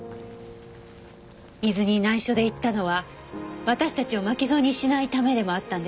伊豆に内緒で行ったのは私たちを巻き添えにしないためでもあったんですよね？